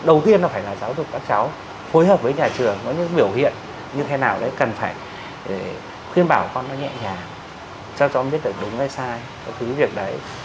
đầu tiên là phải là giáo dục các cháu phối hợp với nhà trường có những biểu hiện như thế nào đấy cần phải khuyên bảo con nó nhẹ nhàng sao cho con biết được đúng hay sai các thứ việc đấy